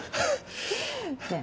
ねえ